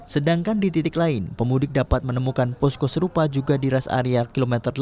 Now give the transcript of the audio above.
sedangkan di titik lain pemudik dapat menemukan posko serupa juga di rest area kilometer delapan puluh